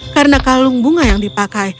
karena kalung bunga yang dipakai